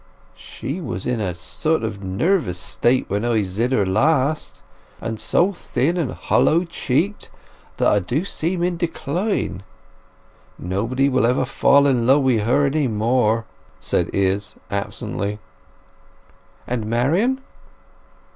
"She was in a sort of nervous state when I zid her last; and so thin and hollow cheeked that 'a do seem in a decline. Nobody will ever fall in love wi' her any more," said Izz absently. "And Marian?"